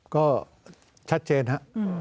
ก็ชัดเชนฮะ